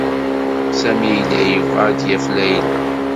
Sami yella yebɣa ad d-yaf Layla.